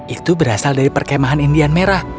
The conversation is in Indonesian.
itu berasal dari perkemahan indian merah